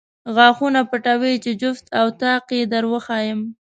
غاښونه پټوې چې جفت او طاق یې در وښایم.